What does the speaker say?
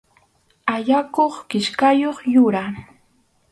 Allakuq kichkayuq yura.